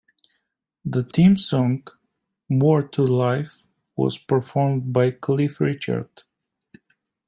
The theme song, "More to Life", was performed by Cliff Richard.